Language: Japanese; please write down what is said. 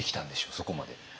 そこまで。